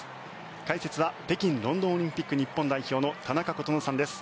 解説は北京、ロンドンオリンピック日本代表の田中琴乃さんです。